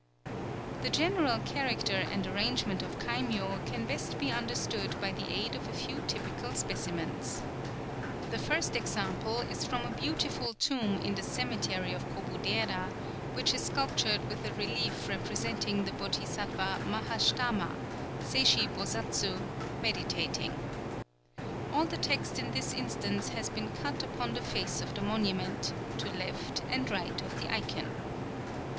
The general character and arrangement of kaimyō can best be understood by the aid of a few typical specimens. The first example is from a beautiful tomb in the cemetery of Kobudera, which is sculptured with a relief representing the Bodhisattva Mahâsthâma (Seishi Bosatsu) meditating. All the text in this instance has been cut upon the face of the monument, to left and right of the icon.